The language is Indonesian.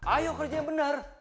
ayo kerja yang benar